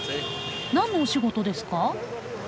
何のお仕事ですか？